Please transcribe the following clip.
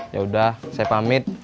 yaudah saya pamit